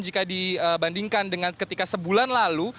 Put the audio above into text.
jika dibandingkan dengan ketika sebulan lalu